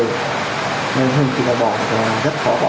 nên hình như là bỏ thì rất khó bỏ